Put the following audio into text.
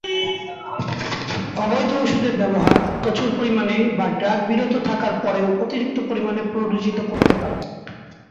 অবৈধ ওষুধের ব্যবহার, প্রচুর পরিমাণে, বা ড্রাগ বিরত থাকার পরেও অতিরিক্ত পরিমাণে প্ররোচিত করতে পারে।